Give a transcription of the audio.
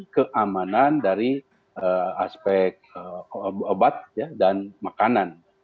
keamanan dari aspek obat dan makanan